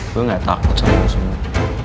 gue gak takut sama semua